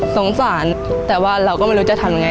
สงสารแต่ว่าเราก็ไม่รู้จะทำยังไง